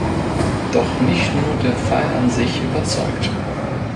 Doch nicht nur der Fall an sich überzeugt.